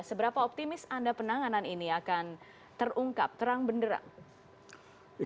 seberapa optimis anda penanganan ini akan terungkap terang benderang